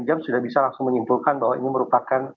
jam sudah bisa langsung menyimpulkan bahwa ini merupakan